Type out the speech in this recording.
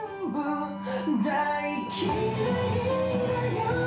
「大嫌いだよ」